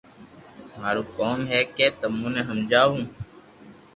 مارو ڪوم ھي ڪي تمو ني ھمجاو